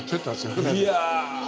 いや。